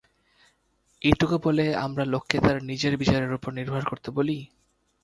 এইটুকু বলে আমরা লোককে তার নিজের বিচারের উপর নির্ভর করতে বলি।